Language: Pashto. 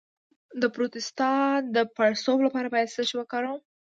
د پروستات د پړسوب لپاره باید څه شی وکاروم؟